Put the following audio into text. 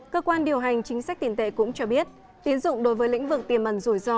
cơ quan điều hành chính sách tiền tệ cũng cho biết tiến dụng đối với lĩnh vực tiềm ẩn rủi ro